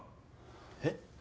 えっ？